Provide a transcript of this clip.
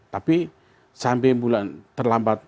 tapi sampai terlambat